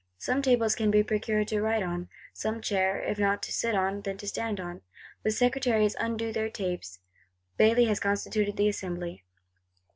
Some table can be procured to write on; some chair, if not to sit on, then to stand on. The Secretaries undo their tapes; Bailly has constituted the Assembly.